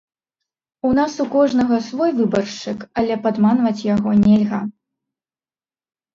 У нас у кожнага свой выбаршчык, але падманваць яго нельга.